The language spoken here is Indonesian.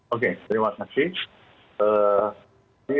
oke terima kasih